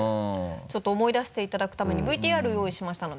ちょっと思い出していただくためにＶＴＲ用意しましたので。